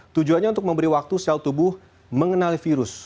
tujuannya untuk memberi waktu sel tubuh mengenali virus